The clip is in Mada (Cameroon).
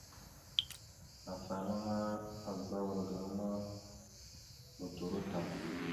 Afalaŋa azza wal gaŋa ma nodoró tam.